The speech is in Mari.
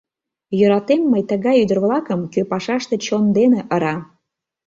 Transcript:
Йӧратем мый тыгай ӱдыр-влакым, кӧ пашаште чон дене ыра.